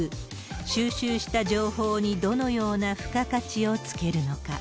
収集した情報にどのような付加価値をつけるのか。